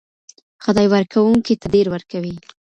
خدای ورکوونکي ته ډېر ورکوي.